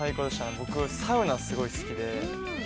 僕、サウナがすごい好きで。